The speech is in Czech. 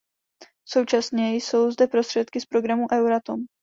Současně jsou zde prostředky z programu Euratom.